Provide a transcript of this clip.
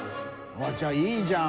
じゃあいいじゃん！